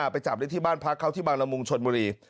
ไปจับได้ที่บ้านพักเขาที่บางละมุงชนบุรี